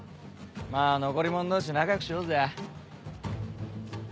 まぁ残り物同士仲良くしようぜ。